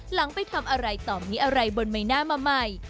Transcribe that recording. หลังไปทำอะไรต่อมีอะไรบนใบหน้ามาใหม่